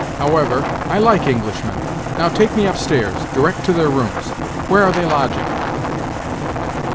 However, I like Englishmen. Now, take me upstairs, direct to their rooms. Where are they lodging?"